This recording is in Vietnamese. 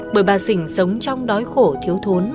bởi bà dình sống trong đói khổ thiếu thốn